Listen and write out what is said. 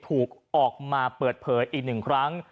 ถูกออกมาเปิดเผยอีกหนึ่งครั้ง